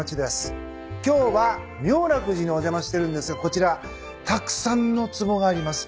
今日は明楽寺にお邪魔してるんですがこちらたくさんのつぼがあります。